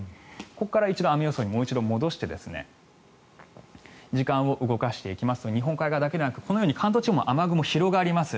ここから一度雨予想にもう一度戻して時間を動かしていきますと日本海側だけでなくこのように関東地方も雨雲が広がります。